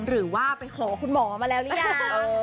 หรือว่าไปขอคุณหมอมาแล้วหรือยัง